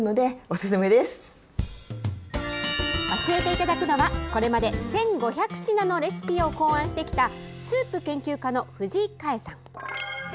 教えていただくのはこれまで１５００品のレシピを考案してきたスープ研究家の藤井香江さん。